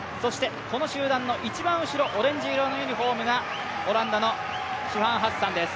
この集団の一番後ろ、オレンジ色のユニフォームがオランダのシファン・ハッサンです。